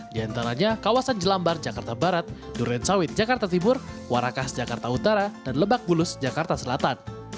di antaranya kawasan jelambar jakarta barat duren sawit jakarta timur warakas jakarta utara dan lebak bulus jakarta selatan